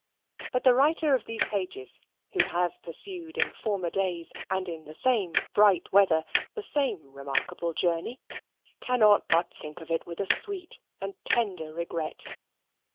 But the writer of these pages, who has pursued in former days, and in the same bright weather, the same remarkable journey, cannot but think of it with a sweet and tender regret.